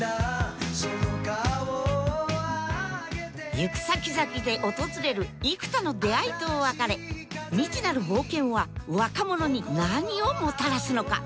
行く先々で訪れる幾田の出会いと別れ未知なる冒険は若者に何をもたらすのか。